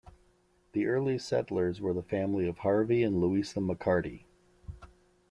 The earliest settlers were the family of Harvey and Louisa McCarty.